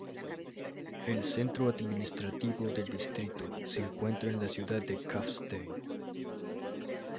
El centro administrativo del distrito se encuentra en la ciudad de Kufstein.